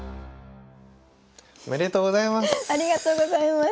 おめでとうございます！